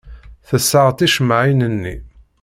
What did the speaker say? Tessaɣ ticemmaɛin-nni.